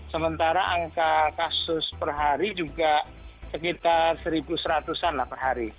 sementara angka kasus per hari juga sekitar satu seratus an lah per hari